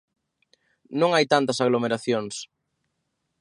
Non hai tantas aglomeracións.